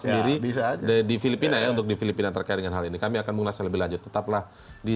sendiri di filipina ya untuk di filipina terkait dengan hal ini kami akan mengulasnya lebih lanjut tetaplah di